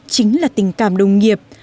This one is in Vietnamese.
chính là tình cảm đồng nghiệp